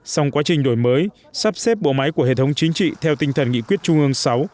xong quá trình đổi mới sắp xếp bộ máy của hệ thống chính trị theo tinh thần nghị quyết trung ương sáu